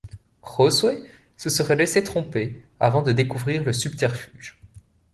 Josué se serait laissé tromper, avant de découvrir le subterfuge.